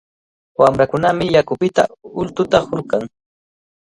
Wamrakunami yakupita ultuta hurqun.